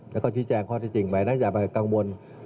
แล้วก็ชี้แจงข้อที่จริงไปนะอย่าไปกังวล